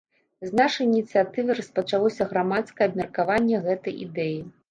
З нашай ініцыятывы распачалося грамадскае абмеркаванне гэтай ідэі.